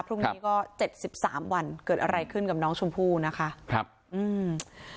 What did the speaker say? พรุ่งนี้ก็เจ็ดสิบสามวันเกิดอะไรขึ้นกับน้องชมพู่นะคะครับอืม